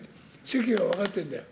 席は分かってるんだよ。